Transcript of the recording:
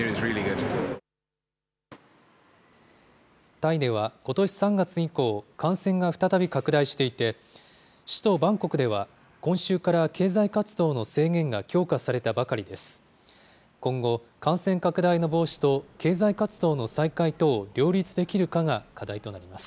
タイではことし３月以降、感染が再び拡大していて、首都バンコクでは、今週から経済活動の制限が強化されたばかりです。